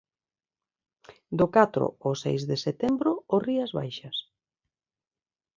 Do catro ao seis de setembro o Rías Baixas.